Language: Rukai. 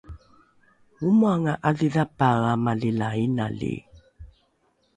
omoanga ’adhidhapae amali la inali